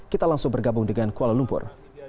kita langsung bergabung dengan kuala lumpur